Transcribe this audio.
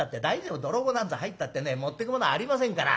泥棒なんざ入ったってね持ってくものありませんから。